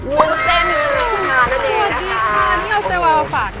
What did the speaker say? วุ้นเจ๊กรีนดีนะคะสวัสดีค่ะ